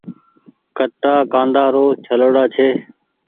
ڪٽآ کآنڊي رو ڇلوڙآ چي۔